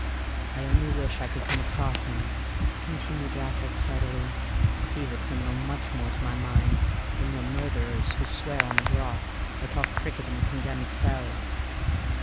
"I only wish I could come across him," continued Raffles heartily. "He's a criminal much more to my mind than your murderers who swear on the drop or talk cricket in the condemned cell!"